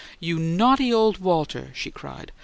"You NAUGHTY old Walter!" she cried.